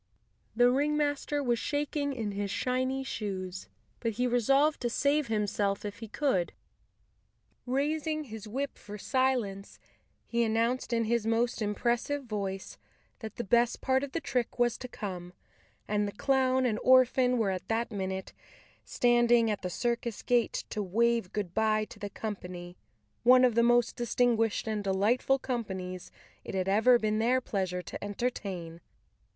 The ringmaster was shak¬ ing in his shiny shoes, but he resolved to save himself if he could. Raising his whip for silence, he announced in his most impressive voice that the best part of the trick was to come—that the clown and orphan were at that minute standing at the circus gate to wave good¬ bye to the company, one of the most distinguished and delightful companies it had ever been their pleasure to entertain.